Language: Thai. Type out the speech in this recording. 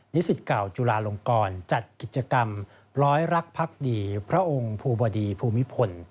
สิทธิ์เก่าจุลาลงกรจัดกิจกรรมร้อยรักพักดีพระองค์ภูบดีภูมิพล